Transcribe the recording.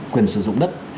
quyền sử dụng đất